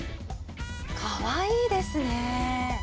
かわいいですね。